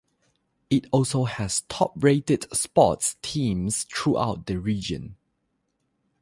It also has top rated sports teams throughout the region.